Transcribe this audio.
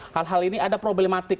hal hal ini ada problematik